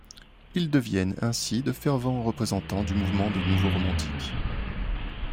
Ils deviennent ainsi des fervents représentant du mouvement des Nouveaux Romantiques.